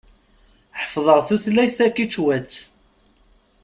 Ḥeffḍeɣ tulayt takičwatt.